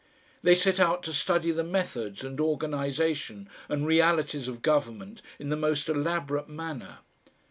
They set out to study the methods and organisation and realities of government in the most elaborate manner.